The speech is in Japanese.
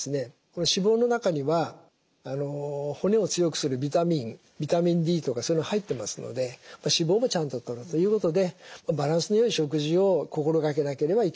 脂肪の中には骨を強くするビタミンビタミンＤとかそういうの入ってますので脂肪もちゃんととるということでバランスのよい食事を心掛けなければいけないということになりますね。